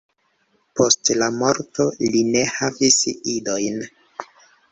Post la morto li ne havis idojn.